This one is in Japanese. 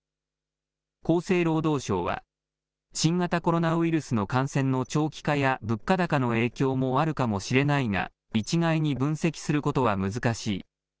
厚生労働省は新型コロナウイルスの感染の長期化や物価高の影響もあるかもしれないが、一概に分析することは難しい。